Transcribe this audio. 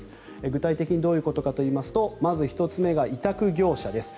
具体的にどういうことかといいますとまず１つ目が委託業者です。